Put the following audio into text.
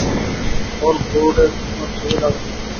ওর বোর্ডে তোমার ছবি লাগানো আছে!